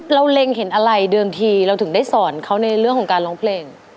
เล็งเห็นอะไรเดิมทีเราถึงได้สอนเขาในเรื่องของการร้องเพลง